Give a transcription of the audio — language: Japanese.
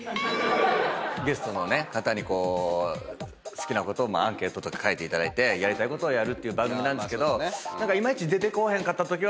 ゲストの方に好きなことをアンケートとか書いていただいてやりたいことをやるっていう番組なんですけどいまいち。